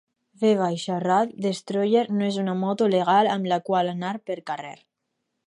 V-Rod Destroyer no és una moto legal amb la qual anar pel carrer.